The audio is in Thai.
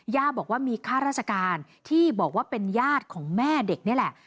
ย่าบอกว่ามีค่าราชการที่บอกว่าเป็นญาติของแม่เด็กนี่แหละ